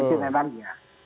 itu memang ya